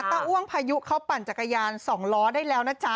อ้วงพายุเขาปั่นจักรยาน๒ล้อได้แล้วนะจ๊ะ